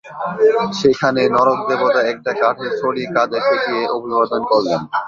সেখানে নরক দেবতা একটা কাঠের ছড়ি কাঁধে ঠেকিয়ে অভিবাদন করলেন।